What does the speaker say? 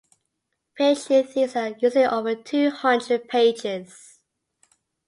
PhD theses are usually over two hundred pages.